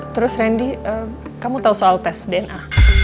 terus randy kamu tahu soal tes dna